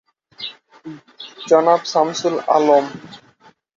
জনাব সামসুল আলম।